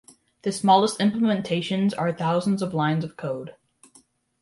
The smallest implementations are thousands of lines of code.